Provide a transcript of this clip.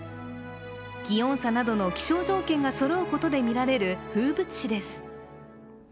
気温差などの気象条件がそろうことで見られる風物詩です。